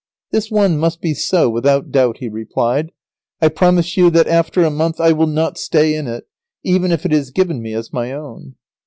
"This one must be so without doubt," he replied. "I promise you that after a month I will not stay in it, even if it is given me as my own."